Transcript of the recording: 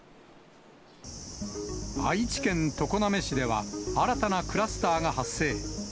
愛知県常滑市では、新たなクラスターが発生。